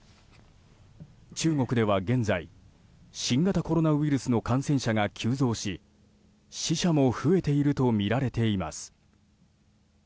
中国では現在新型コロナウイルスの感染者が急増し死者も増えているとみられています。